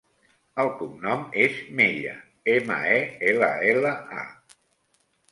El cognom és Mella: ema, e, ela, ela, a.